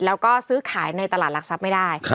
แล้วก็ซื้อขายในตลาดหลักทรัพย์ไม่ได้